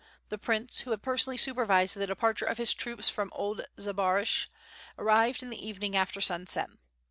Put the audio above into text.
The prince, who had personally supervised the departure of his troops from old Zbaraj, arrived in the evening after sunset.